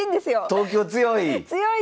東京強い？